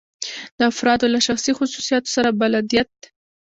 د افرادو له شخصي خصوصیاتو سره بلدیت.